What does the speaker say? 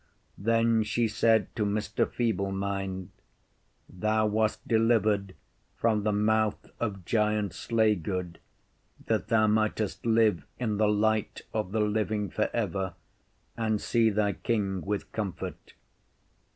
Then she said to Mr. Feeble mind, Thou wast delivered from the mouth of Giant Slay good, that thou mightest live in the light of the living for ever, and see thy King with comfort.